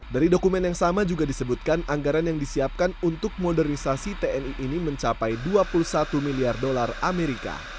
dari dokumen yang sama juga disebutkan anggaran yang disiapkan untuk modernisasi tni ini mencapai dua puluh satu miliar dolar amerika